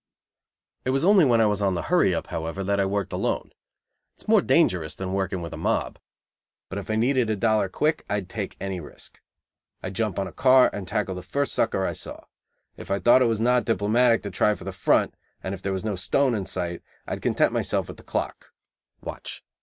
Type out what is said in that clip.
It was only when I was on the "hurry up," however, that I worked alone. It is more dangerous than working with a mob, but if I needed a dollar quick I'd take any risk. I'd jump on a car, and tackle the first sucker I saw. If I thought it was not diplomatic to try for the "front," and if there was no stone in sight, I'd content myself with the "clock" (watch).